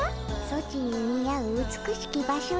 ソチに似合う美しき場所じゃ。